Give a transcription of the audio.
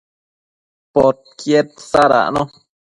podquied sadacno